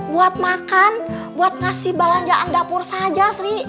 buat makan buat ngasih balanjaan dapur saja sri